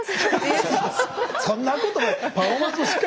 そんなことない。